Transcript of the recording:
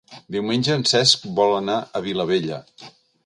Diumenge en Cesc vol anar a Vilabella.